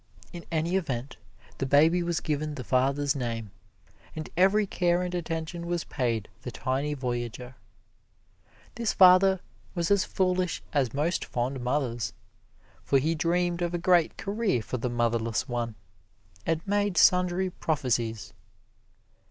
In any event the baby was given the father's name, and every care and attention was paid the tiny voyager. This father was as foolish as most fond mothers, for he dreamed out a great career for the motherless one, and made sundry prophecies.